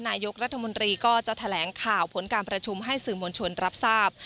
นายกรัฐมนตรีก็จะแถลงข่าวผลการประชุมให้สื่อมวลชนรับทราบ